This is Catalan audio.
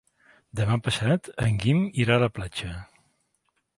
Demà passat en Guim irà a la platja.